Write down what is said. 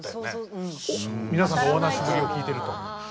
皆さんのお話を聞いてると。